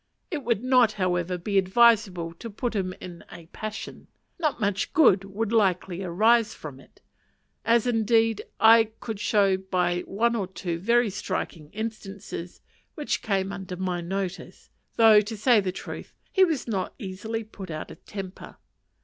It would not, however, be advisable to put him in a passion; not much good would be likely to arise from it: as, indeed, I could show by one or two very striking instances which came under my notice; though, to say the truth, he was not easily put out of temper.